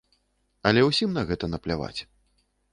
Але ўсім на гэта напляваць.